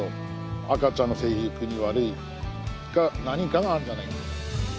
赤ちゃんの生育に悪いか何かがあるんじゃないか。